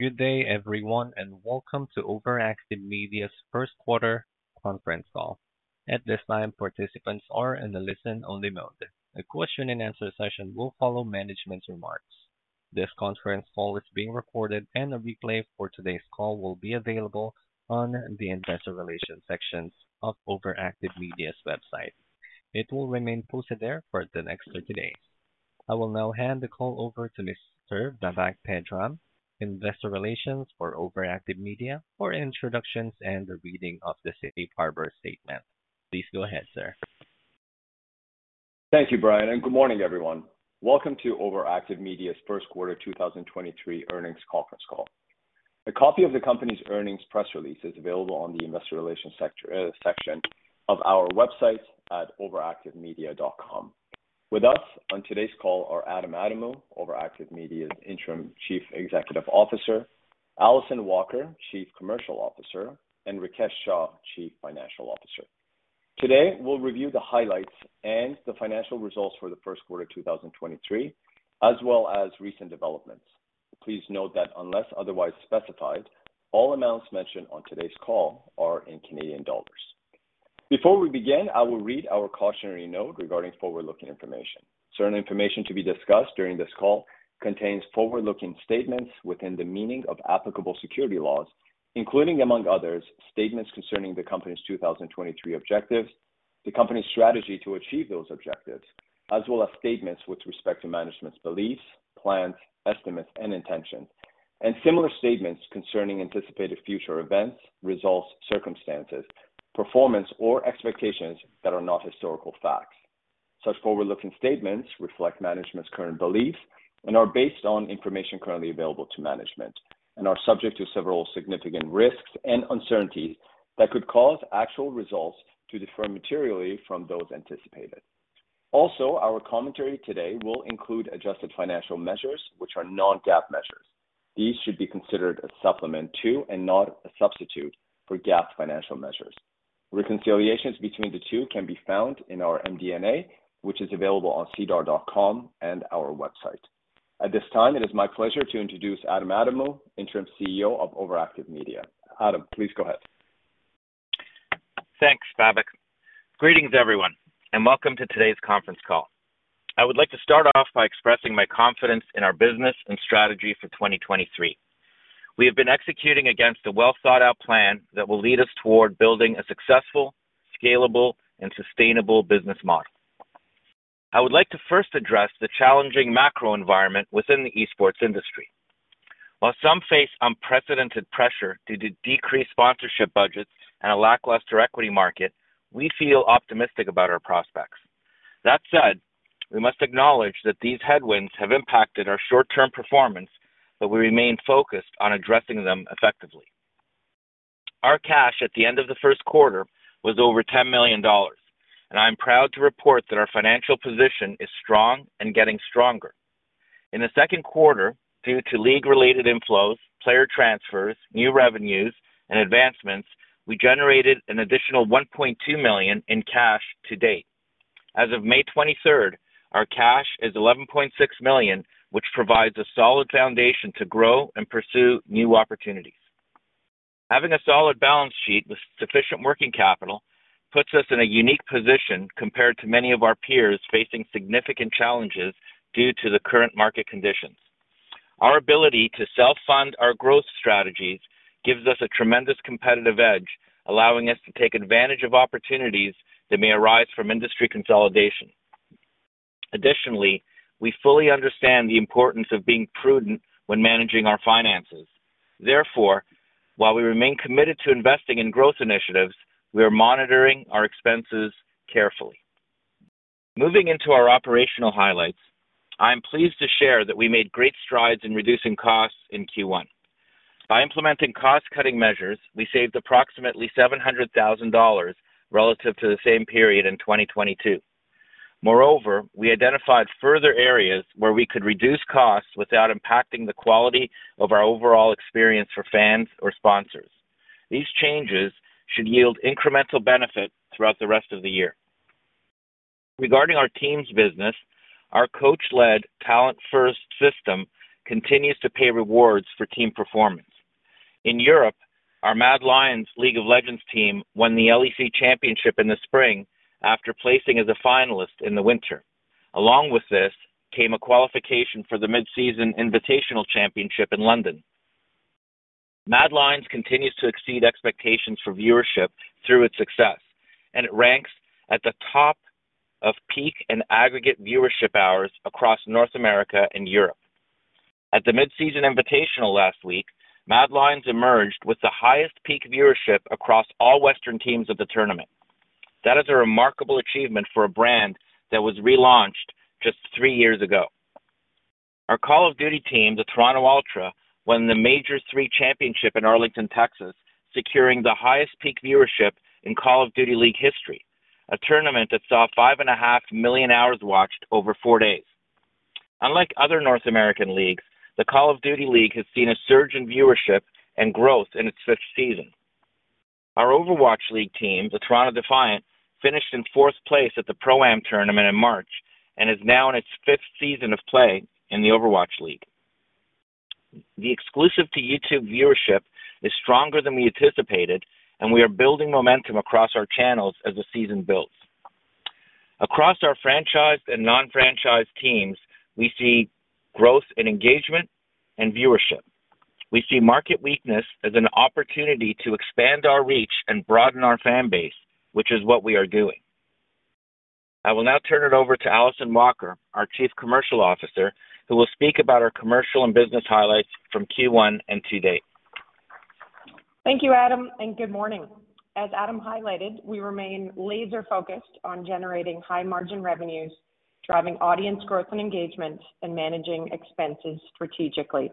Good day, everyone, and welcome to OverActive Media's first quarter conference call. At this time, participants are in a listen-only mode. A question and answer session will follow management's remarks. This conference call is being recorded, and a replay for today's call will be available on the investor relations sections of OverActive Media's website. It will remain posted there for the next 30 days. I will now hand the call over to Mr. Babak Pedram, investor relations for OverActive Media, for introductions and the reading of the safe harbor statement. Please go ahead, sir. Thank you, Brian, and good morning, everyone. Welcome to OverActive Media's first quarter 2023 earnings conference call. A copy of the company's earnings press release is available on the investor relations section of our website at overactivemedia.com. With us on today's call are Adam Adamou, OverActive Media's Interim Chief Executive Officer, Alyson Walker, Chief Commercial Officer, and Rakesh Shah, Chief Financial Officer. Today, we'll review the highlights and the financial results for the first quarter 2023, as well as recent developments. Please note that unless otherwise specified, all amounts mentioned on today's call are in Canadian dollars. Before we begin, I will read our cautionary note regarding forward-looking information. Certain information to be discussed during this call contains forward-looking statements within the meaning of applicable security laws, including, among others, statements concerning the company's 2023 objectives, the company's strategy to achieve those objectives, as well as statements with respect to management's beliefs, plans, estimates, and intentions, and similar statements concerning anticipated future events, results, circumstances, performance, or expectations that are not historical facts. Such forward-looking statements reflect management's current beliefs and are based on information currently available to management and are subject to several significant risks and uncertainties that could cause actual results to differ materially from those anticipated. Also, our commentary today will include adjusted financial measures, which are non-GAAP measures. These should be considered a supplement to and not a substitute for GAAP financial measures. Reconciliations between the two can be found in our MD&A, which is available on SEDAR.com and our website. At this time, it is my pleasure to introduce Adam Adamou, Interim CEO of OverActive Media. Adam, please go ahead. Thanks, Babak. Greetings, everyone, and welcome to today's conference call. I would like to start off by expressing my confidence in our business and strategy for 2023. We have been executing against a well-thought-out plan that will lead us toward building a successful, scalable, and sustainable business model. I would like to first address the challenging macro environment within the esports industry. While some face unprecedented pressure due to decreased sponsorship budgets and a lackluster equity market, we feel optimistic about our prospects. That said, we must acknowledge that these headwinds have impacted our short-term performance, but we remain focused on addressing them effectively. Our cash at the end of the first quarter was over 10 million dollars, and I'm proud to report that our financial position is strong and getting stronger. In the second quarter, due to league-related inflows, player transfers, new revenues, and advancements, we generated an additional 1.2 million in cash to date. As of May 23rd, our cash is 11.6 million, which provides a solid foundation to grow and pursue new opportunities. Having a solid balance sheet with sufficient working capital puts us in a unique position compared to many of our peers facing significant challenges due to the current market conditions. We fully understand the importance of being prudent when managing our finances. While we remain committed to investing in growth initiatives, we are monitoring our expenses carefully. Moving into our operational highlights, I am pleased to share that we made great strides in reducing costs in Q1. By implementing cost-cutting measures, we saved approximately 700,000 dollars relative to the same period in 2022. Moreover, we identified further areas where we could reduce costs without impacting the quality of our overall experience for fans or sponsors. These changes should yield incremental benefit throughout the rest of the year. Regarding our teams business, our coach-led, talent-first system continues to pay rewards for team performance. In Europe, our MAD Lions League of Legends team won the LEC Championship in the spring after placing as a finalist in the winter. Along with this, came a qualification for the Mid-Season Invitational Championship in London. MAD Lions continues to exceed expectations for viewership through its success, and it ranks at the top of peak and aggregate viewership hours across North America and Europe. At the Mid-Season Invitational last week, MAD Lions emerged with the highest peak viewership across all Western teams of the tournament. That is a remarkable achievement for a brand that was relaunched just three years ago. Our Call of Duty team, the Toronto Ultra, won the Major 3 Championship in Arlington, Texas, securing the highest peak viewership in Call of Duty League history, a tournament that saw five and a half million hours watched over four days. Unlike other North American leagues, the Call of Duty League has seen a surge in viewership and growth in its fifth season. Our Overwatch League team, the Toronto Defiant, finished in fourth place at the Pro-Am Tournament in March and is now in its fifth season of play in the Overwatch League. The exclusive to YouTube viewership is stronger than we anticipated, and we are building momentum across our channels as the season builds. Across our franchised and non-franchised teams, we see growth in engagement and viewership. We see market weakness as an opportunity to expand our reach and broaden our fan base, which is what we are doing. I will now turn it over to Alyson Walker, our Chief Commercial Officer, who will speak about our commercial and business highlights from Q1 and to date. Thank you, Adam. Good morning. As Adam highlighted, we remain laser-focused on generating high-margin revenues, driving audience growth and engagement, and managing expenses strategically.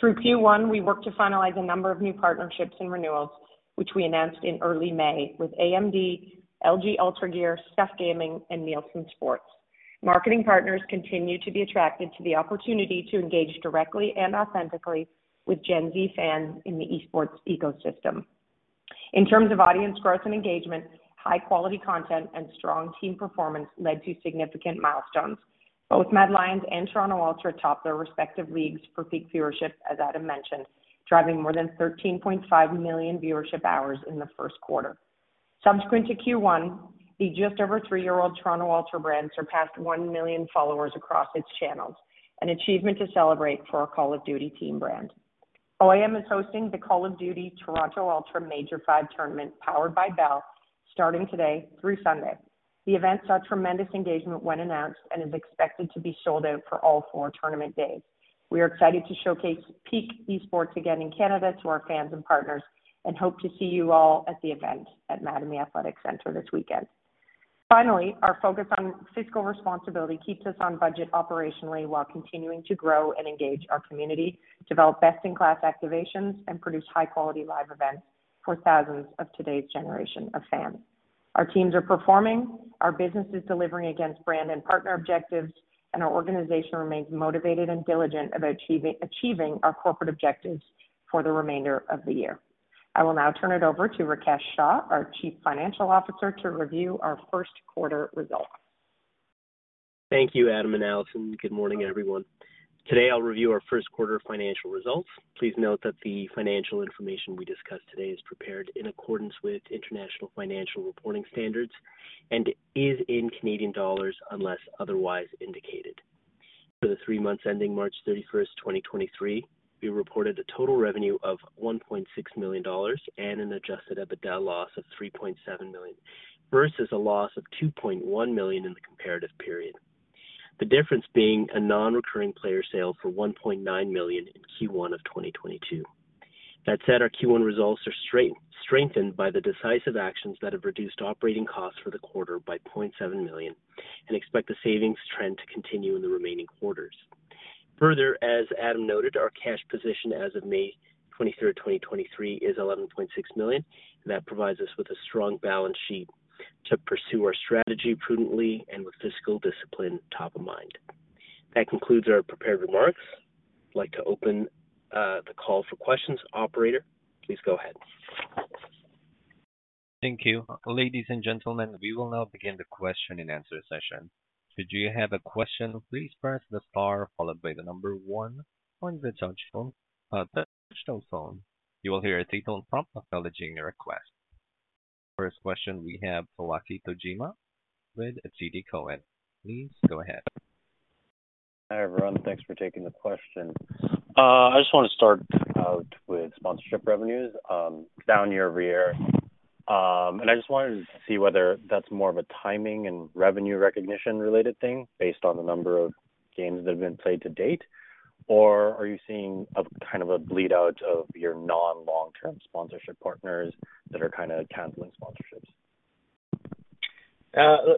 Through Q1, we worked to finalize a number of new partnerships and renewals, which we announced in early May with AMD, LG UltraGear, TUF Gaming, and Nielsen Sports. Marketing partners continue to be attracted to the opportunity to engage directly and authentically with Gen Z fans in the esports ecosystem. In terms of audience growth and engagement, high-quality content and strong team performance led to significant milestones. Both MAD Lions and Toronto Ultra topped their respective leagues for peak viewership, as Adam mentioned, driving more than 13.5 million viewership hours in the first quarter. Subsequent to Q1, the just over three-year-old Toronto Ultra brand surpassed 1 million followers across its channels, an achievement to celebrate for our Call of Duty team brand. OAM is hosting the Call of Duty Toronto Ultra Major V Tournament, powered by Bell, starting today through Sunday. The event saw tremendous engagement when announced and is expected to be sold out for all 4 tournament days. We are excited to showcase peak esports again in Canada to our fans and partners and hope to see you all at the event at Mattamy Athletic Center this weekend. Finally, our focus on fiscal responsibility keeps us on budget operationally, while continuing to grow and engage our community, develop best-in-class activations, and produce high-quality live events for thousands of today's generation of fans. Our teams are performing, our business is delivering against brand and partner objectives, and our organization remains motivated and diligent about achieving our corporate objectives for the remainder of the year. I will now turn it over to Rakesh Shah, our Chief Financial Officer, to review our first quarter results. Thank you, Adam and Alyson. Good morning, everyone. Today, I'll review our first quarter financial results. Please note that the financial information we discussed today is prepared in accordance with international financial reporting standards and is in Canadian dollars, unless otherwise indicated. For the three months ending March 31st, 2023, we reported a total revenue of 1.6 million dollars and an adjusted EBITDA loss of 3.7 million, versus a loss of 2.1 million in the comparative period. The difference being a non-recurring player sale for 1.9 million in Q1 of 2022. That said, our Q1 results are strengthened by the decisive actions that have reduced operating costs for the quarter by 0.7 million and expect the savings trend to continue in the remaining quarters. As Adam noted, our cash position as of May twenty-third, twenty twenty-three, is 11.6 million, and that provides us with a strong balance sheet to pursue our strategy prudently and with fiscal discipline top of mind. That concludes our prepared remarks. I'd like to open the call for questions. Operator, please go ahead. Thank you. Ladies and gentlemen, we will now begin the question and answer session. If you have a question, please press the star followed by the number one on the touchtone, the touchtone phone. You will hear a three-tone prompt acknowledging your request. First question we have Wakito Jima with TD Cowen. Please go ahead. Hi, everyone. Thanks for taking the question. I just want to start out with sponsorship revenues, down year-over-year. I just wanted to see whether that's more of a timing and revenue recognition-related thing based on the number of games that have been played to date, or are you seeing a kind of a bleed-out of your non-long-term sponsorship partners that are kinda canceling sponsorships?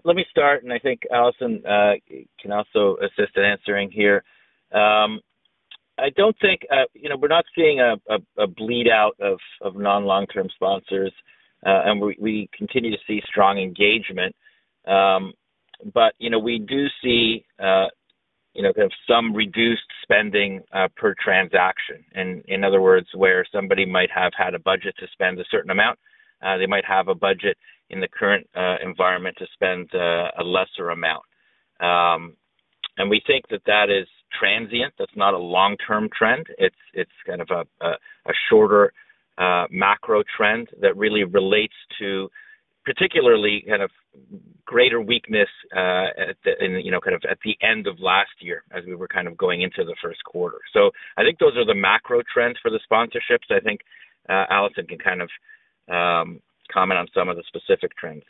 Let me start, and I think Alyson can also assist in answering here. I don't think, you know, we're not seeing a bleed-out of non-long-term sponsors, and we continue to see strong engagement. But, you know, we do see, you know, kind of some reduced spending per transaction. In other words, where somebody might have had a budget to spend a certain amount, they might have a budget in the current environment to spend a lesser amount. We think that that is transient. That's not a long-term trend. It's kind of a shorter macro trend that really relates to particularly kind of greater weakness at the, in, you know, kind of at the end of last year as we were kind of going into the first quarter. I think those are the macro trends for the sponsorships. I think, Alyson can kind of, comment on some of the specific trends.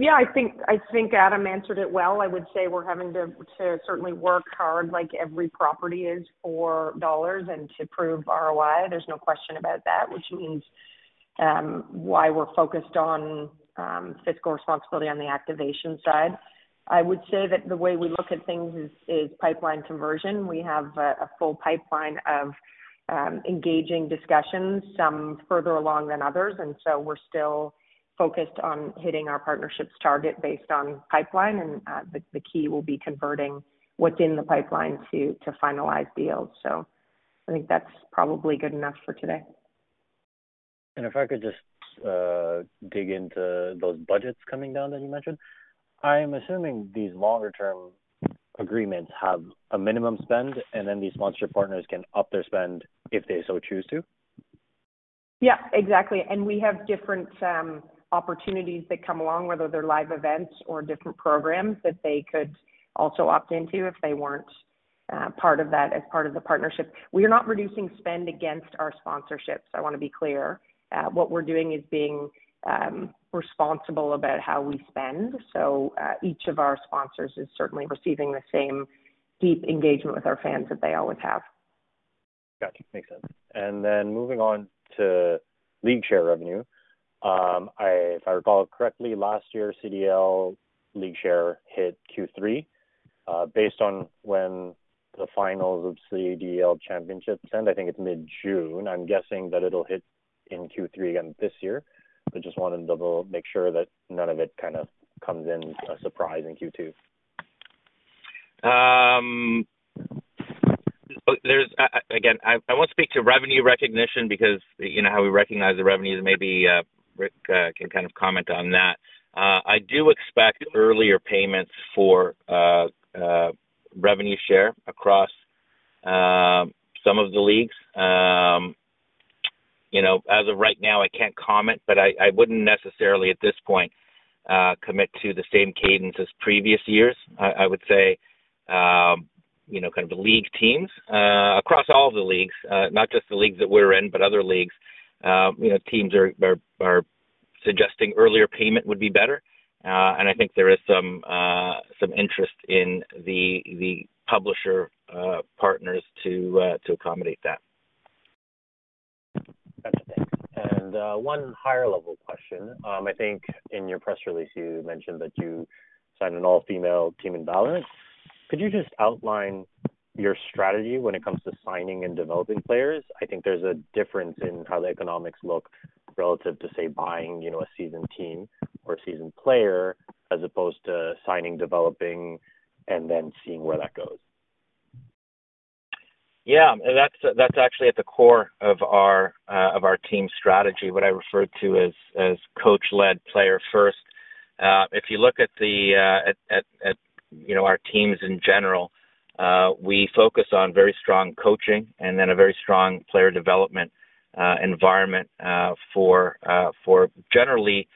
I think Adam answered it well. I would say we're having to certainly work hard like every property is for dollars and to prove ROI. There's no question about that, which means why we're focused on fiscal responsibility on the activation side. I would say that the way we look at things is pipeline conversion. We have a full pipeline of engaging discussions, some further along than others. We're still focused on hitting our partnerships target based on pipeline, and the key will be converting what's in the pipeline to finalize deals. I think that's probably good enough for today. ... If I could just dig into those budgets coming down that you mentioned. I'm assuming these longer term agreements have a minimum spend, and then these sponsor partners can up their spend if they so choose to? Yeah, exactly. We have different opportunities that come along, whether they're live events or different programs, that they could also opt into if they weren't part of that as part of the partnership. We are not reducing spend against our sponsorships, I want to be clear. What we're doing is being responsible about how we spend. Each of our sponsors is certainly receiving the same deep engagement with our fans that they always have. Gotcha! Makes sense. Moving on to league share revenue. If I recall correctly, last year, CDL league share hit Q3. Based on when the finals of CDL championships end, I think it's mid-June, I'm guessing that it'll hit in Q3 again this year. Just wanted to double, make sure that none of it kind of comes in a surprise in Q2. I won't speak to revenue recognition because you know how we recognize the revenues. Maybe Rick can kind of comment on that. I do expect earlier payments for revenue share across some of the leagues. You know, as of right now, I can't comment, but I wouldn't necessarily, at this point, commit to the same cadence as previous years. I would say, you know, kind of the league teams across all the leagues, not just the leagues that we're in, but other leagues. You know, teams are suggesting earlier payment would be better, and I think there is some interest in the publisher partners to accommodate that. Gotcha. One higher level question. I think in your press release, you mentioned that you signed an all-female team in VALORANT. Could you just outline your strategy when it comes to signing and developing players? I think there's a difference in how the economics look relative to, say, buying, you know, a seasoned team or a seasoned player, as opposed to signing, developing, and then seeing where that goes. Yeah, that's actually at the core of our of our team strategy, what I refer to as coach-led player first. If you look at the at, you know, our teams in general, we focus on very strong coaching and then a very strong player development environment for generally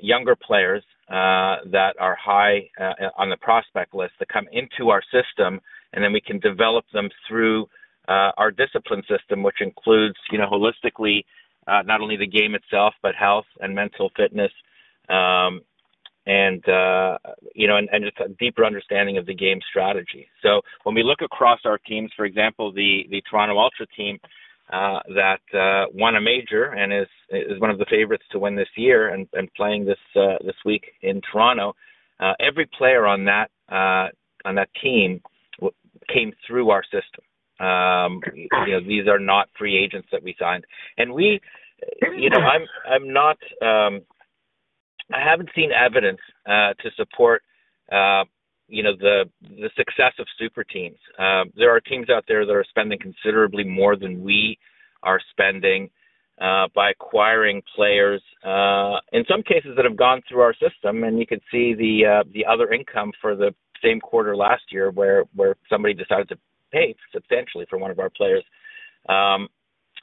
younger players that are high on the prospect list, that come into our system, and then we can develop them through our discipline system, which includes, you know, holistically, not only the game itself, but health and mental fitness. You know, and just a deeper understanding of the game strategy. When we look across our teams, for example, the Toronto Ultra team that won a major and is one of the favorites to win this year and playing this week in Toronto. Every player on that team came through our system. You know, these are not free agents that we signed. We, you know, I'm not, I haven't seen evidence to support, you know, the success of super teams. There are teams out there that are spending considerably more than we are spending by acquiring players, in some cases, that have gone through our system. You could see the other income for the same quarter last year, where somebody decided to pay substantially for one of our players.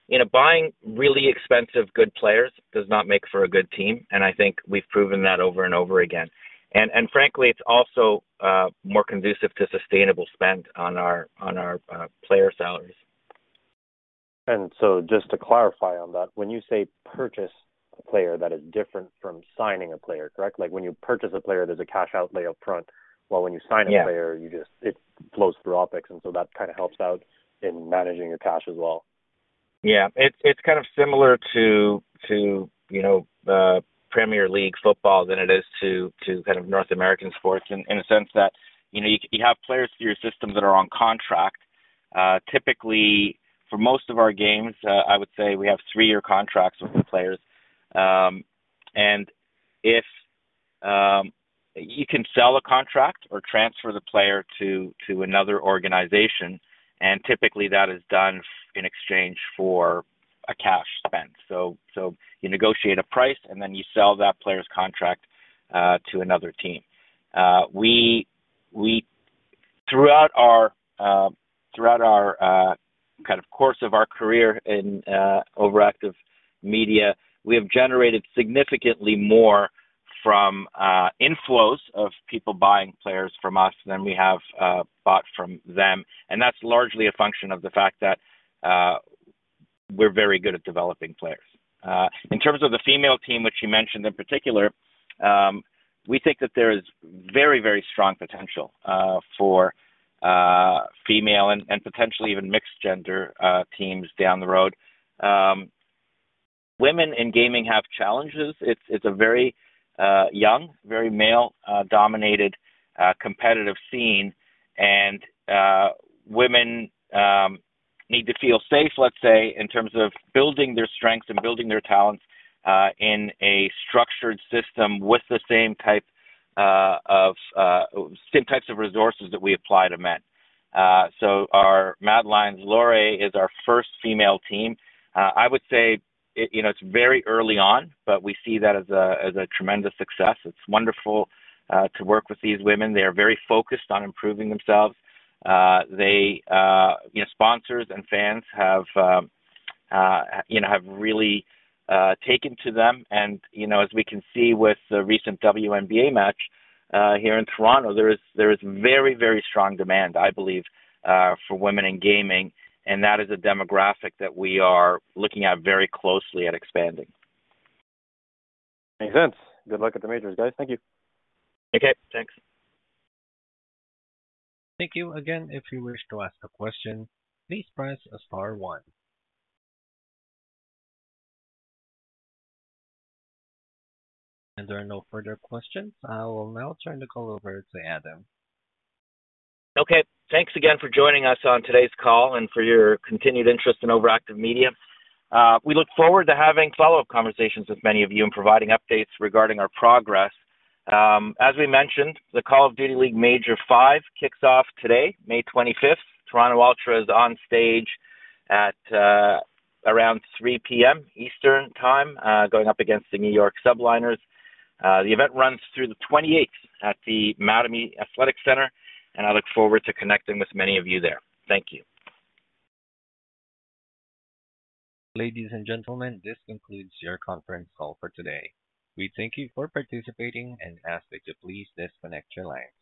you know, buying really expensive, good players does not make for a good team, and I think we've proven that over and over again. Frankly, it's also more conducive to sustainable spend on our player salaries. Just to clarify on that, when you say purchase a player, that is different from signing a player, correct? Like when you purchase a player, there's a cash outlay up front, while when you sign a player- Yeah. You just, it flows through OpEx. That kind of helps out in managing your cash as well. It's kind of similar to, you know, Premier League football than it is to kind of North American sports in a sense that, you know, you have players through your systems that are on contract. Typically, for most of our games, I would say we have 3-year contracts with the players. If you can sell a contract or transfer the player to another organization, and typically that is done in exchange for a cash spend. You negotiate a price, and then you sell that player's contract to another team. We throughout our kind of course of our career in OverActive Media, we have generated significantly more from inflows of people buying players from us than we have bought from them. That's largely a function of the fact that we're very good at developing players. In terms of the female team, which you mentioned in particular, we think that there is very, very strong potential for female and potentially even mixed gender teams down the road. Women in gaming have challenges. It's a very young, very male dominated competitive scene, and women need to feel safe, let's say, in terms of building their strengths and building their talents in a structured system with the same types of resources that we apply to men. Our MAD Lions LAURË is our first female team. I would say, it, you know, it's very early on, but we see that as a tremendous success. It's wonderful to work with these women. They are very focused on improving themselves. You know, sponsors and fans have, you know, have really taken to them. You know, as we can see with the recent WNBA match here in Toronto, there is very, very strong demand, I believe, for women in gaming, and that is a demographic that we are looking at very closely at expanding. Makes sense. Good luck at the majors, guys. Thank you. Take care. Thanks. Thank you again. If you wish to ask a question, please press star 1. There are no further questions. I will now turn the call over to Adam. Okay. Thanks again for joining us on today's call and for your continued interest in OverActive Media. We look forward to having follow-up conversations with many of you and providing updates regarding our progress. As we mentioned, the Call of Duty League Major V kicks off today, May 25th. Toronto Ultra is on stage at around 3:00 P.M. Eastern Time, going up against the New York Subliners. The event runs through the 28th at the Mattamy Athletic Center, and I look forward to connecting with many of you there. Thank you. Ladies and gentlemen, this concludes your conference call for today. We thank you for participating and ask that you please disconnect your lines.